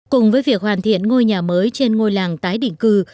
cùng với việc hoàn thiện ngôi nhà mới trên ngôi làng tái định cư